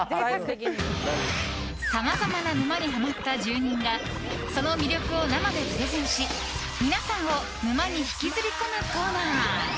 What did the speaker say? さまざまな沼にハマった住民がその魅力を生でプレゼンし皆さんを沼に引きずり込むコーナー。